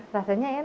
selain unik mungkin